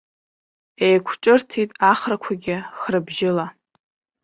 Еиқәҿырҭит ахрақәагьы хра бжьыла.